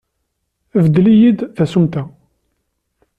Beddel-iyi-d tasumta.